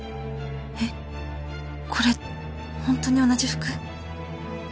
えっこれホントに同じ服？